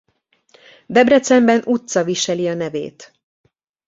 Debrecenben utca viseli a nevét.